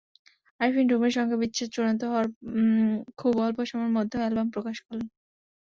আরফিন রুমির সঙ্গে বিচ্ছেদ চূড়ান্ত হওয়ার খুব অল্প সময়ের মধ্যেই অ্যালবাম প্রকাশ করলেন।